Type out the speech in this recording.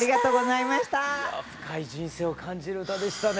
いやぁ深い人生を感じる歌でしたね。